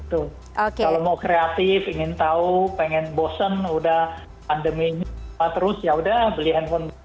betul kalau mau kreatif ingin tahu pengen bosen sudah pandemi ya sudah beli handphone